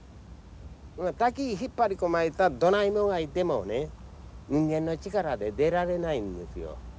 滝に引っ張り込まれたらどないもがいてもね人間の力で出られないんですよ。